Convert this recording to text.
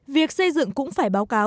việc xây dựng cũng phải báo cáo